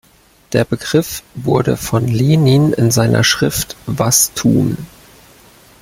Der Begriff wurde von Lenin in seiner Schrift "Was tun?